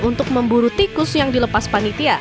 untuk memburu tikus yang dilepas panitia